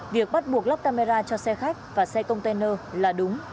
việc bắt buộc lắp camera cho xe khách và xe container là đúng